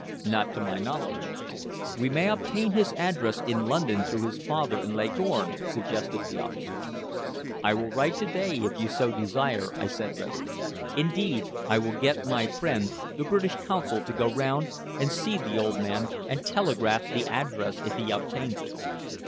"Not to my knowledge." "We might obtain his address in London through his father in Leghorn," suggested the officer. "I will write to day if you so desire," I said readily. "Indeed, I will get my friend the British Consul to go round and see the old man and telegraph the address if he obtains it."